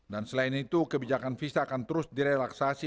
dan selain itu kebijakan visa akan terus direlaksasi